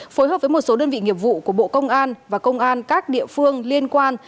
phối hợp với một số đơn vị nghiệp vụ của bộ công an và công an các địa phương liên quan